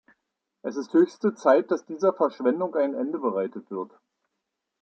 Es ist höchste Zeit, dass dieser Verschwendung ein Ende bereitet wird.